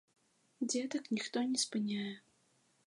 Дзетак ніхто не спыняе.